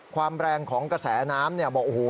ความแรงของกระแสน้ำเนี่ยบอกโอ้โห